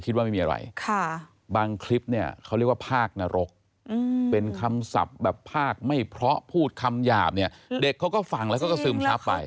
สำคัญคำหยาบเด็กเขาก็ฟังแล้วก็ซึมซับไป